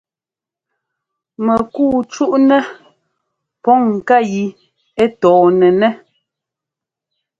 Mɛkuu cúʼnɛ pǔŋ ŋká yi ɛ tɔɔnɛnɛ́.